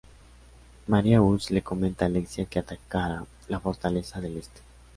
Marius le comenta a Alexia que atacara la fortaleza del este.